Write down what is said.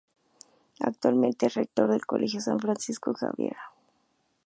Actualmente es rector del Colegio San Francisco Javier.